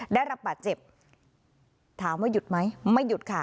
ได้รับบาดเจ็บถามว่าหยุดไหมไม่หยุดค่ะ